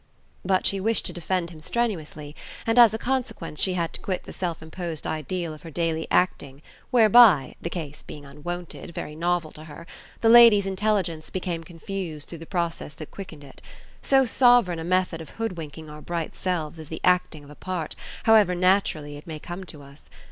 But she wished to defend him strenuously, and as a consequence she had to quit the self imposed ideal of her daily acting, whereby the case being unwonted, very novel to her the lady's intelligence became confused through the process that quickened it; so sovereign a method of hoodwinking our bright selves is the acting of a part, however naturally it may come to us!